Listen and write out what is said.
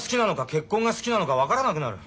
結婚が好きなのか分からなくなる。